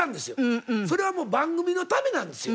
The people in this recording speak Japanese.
それは番組のためなんですよ。